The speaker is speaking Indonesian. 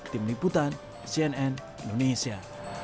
tim liputan cnn indonesia